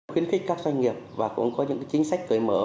khuyến khích các doanh nghiệp và cũng có những chính sách cởi mở